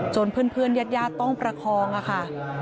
จนเพื่อนยัดยาต้องประคองค่ะ